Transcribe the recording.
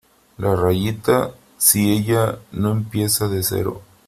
la rayita . si ella no empieza de cero ,